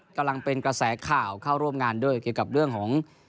กำลังเป็นกระแสข่าวเข้าร่วมงานด้วยเกี่ยวกับเรื่องของ